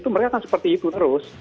mereka akan seperti itu terus